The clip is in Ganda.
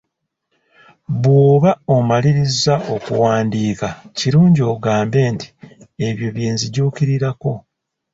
Bw'oba omaliriza okuwandiika kirungi ogambe nti ebyo bye nzijukirako.